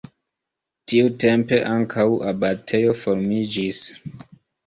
Tiutempe ankaŭ abatejo formiĝis.